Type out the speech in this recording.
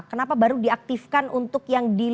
kenapa baru diaktifkan untuk yang di